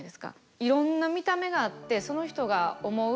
いろんな見た目があってその人が思う感覚